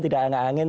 tidak ada angin angin